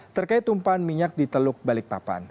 terkait tumpahan minyak di teluk balikpapan